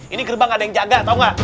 ini gerbang ada yang jaga tahu nggak